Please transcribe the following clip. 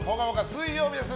水曜日です。